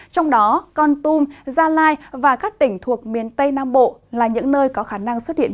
trong đó con tum gia lai và các tỉnh thuộc miền tây nam bộ là những nơi có khả năng xuất hiện